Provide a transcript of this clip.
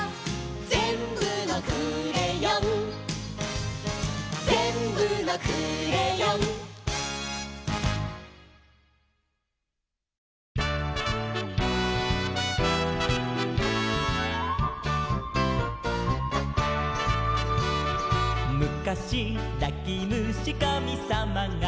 「ぜんぶのクレヨン」「ぜんぶのクレヨン」「むかしなきむしかみさまが」